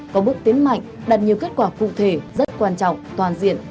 có bước tiến mạnh đạt nhiều kết quả cụ thể rất quan trọng toàn diện